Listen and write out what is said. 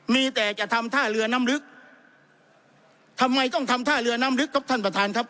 มีแต่จะทำท่าเรือน้ำลึกทำไมต้องทำท่าเรือน้ำลึกครับท่านประธานครับ